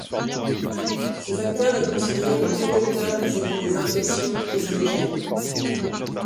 Ce facteur est considéré comme protecteur vis-à-vis des infections exogènes.